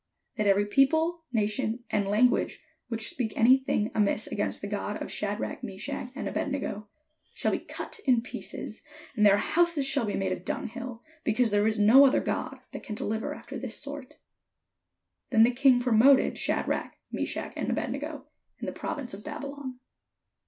That every people, nation, and language, which speak any thing amiss' against the God of Sha drach, Meshach, and Abed nego, shall be cut in pieces, and their houses shall be made a dunghill: because there is no other God that can deliver after this sort." Then the king promoted Shadrach, Meshach, and Abed nego, in the province of Babylon.